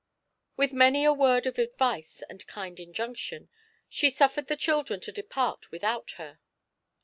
With many a word of advice and kind injunction, she suffered the children to depart without her.